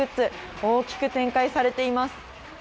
大きく展開されています。